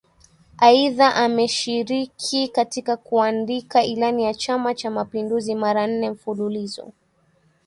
Aidha ameshiriki katika kuandika Ilani ya Chama cha Mapinduzi mara nne mfululizo